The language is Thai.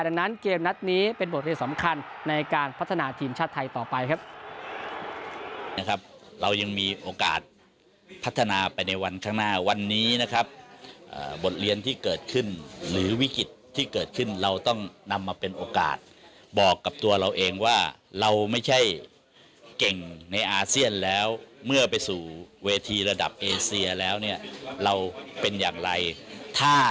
ดังนั้นเกมนัดนี้เป็นบทเรียนสำคัญในการพัฒนาทีมชาติไทยต่อไปครับ